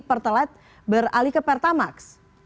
pertelite beralih ke pertamaf